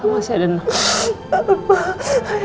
kamu masih ada anakku